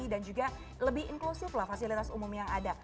dan juga lebih inklusif lah fasilitas umum yang ada